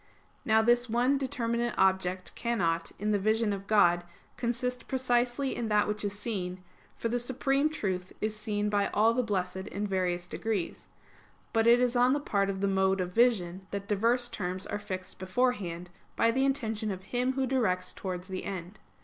Now this one determinate object cannot, in the vision of God, consist precisely in that which is seen; for the Supreme Truth is seen by all the blessed in various degrees: but it is on the part of the mode of vision, that diverse terms are fixed beforehand by the intention of Him Who directs towards the end.